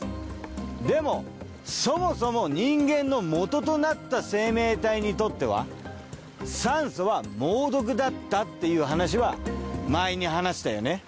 でもそもそも人間のもととなった生命体にとっては酸素は猛毒だったっていう話は前に話したよね。